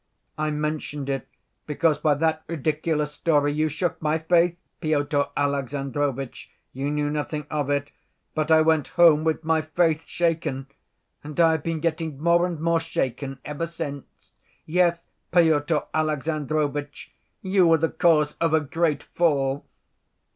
I mentioned it because by that ridiculous story you shook my faith, Pyotr Alexandrovitch. You knew nothing of it, but I went home with my faith shaken, and I have been getting more and more shaken ever since. Yes, Pyotr Alexandrovitch, you were the cause of a great fall.